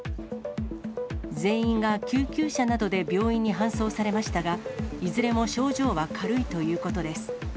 全員が救急車などで病院に搬送されましたが、いずれも症状は軽いということです。